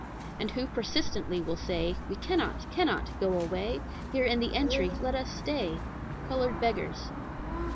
"And who persistently will say, 'We cannot, cannot go away; Here in the entry let us stay?' Colored beggars.